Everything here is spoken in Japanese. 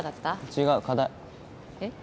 違う課題えっ？